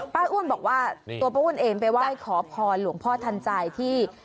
อ้วนบอกว่าตัวป้าอ้วนเองไปไหว้ขอพรหลวงพ่อทันใจที่